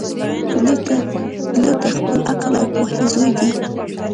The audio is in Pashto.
پیلوټ د خپل عقل او پوهې زوی دی.